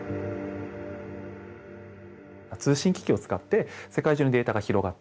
通信機器を使って世界中にデータが広がっていく。